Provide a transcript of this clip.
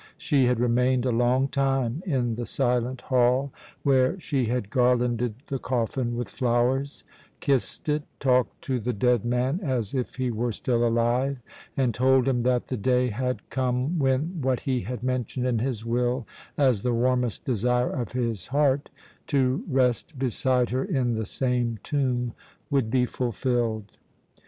She had remained a long time in the silent hall, where she had garlanded the coffin with flowers, kissed it, talked to the dead man as if he were still alive, and told him that the day had come when what he had mentioned in his will as the warmest desire of his heart to rest beside her in the same tomb would be fulfilled.